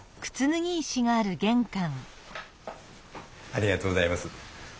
ありがとうございます。